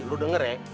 lo denger ya